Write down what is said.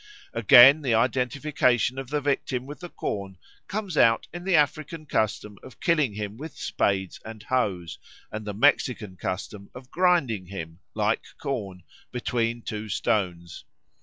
Again, the identification of the victim with the corn comes out in the African custom of killing him with spades and hoes, and the Mexican custom of grinding him, like corn, between two stones.